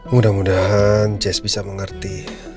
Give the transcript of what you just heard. mudah mudahan jazz bisa mengerti